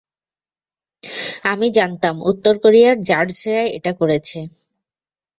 আমি জানতাম উত্তর কোরিয়ার জারজরাই এটা করেছে!